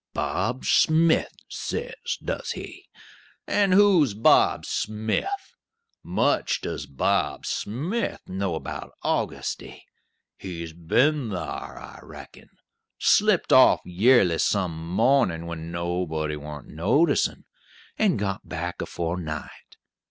"Bob Smith says, does he? And who's Bob Smith? Much does Bob Smith know about Augusty! He's been thar, I reckon! Slipped off yerly some mornin', when nobody warn't noticin', and got back afore night!